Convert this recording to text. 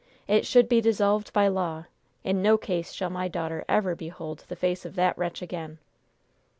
"It should be dissolved by law! In no case shall my daughter ever behold the face of that wretch again!"